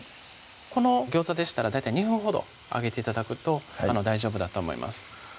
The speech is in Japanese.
この餃子でしたら大体２分ほど揚げて頂くと大丈夫だと思います